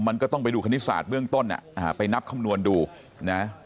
มันก็ต้องไปดูคณิตศาสตร์เบื้องต้นไปนับคำนวณดูนะ